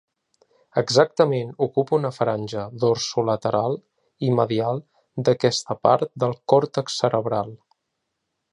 Exactament ocupa una franja dorsolateral i medial d'aquesta part del còrtex cerebral.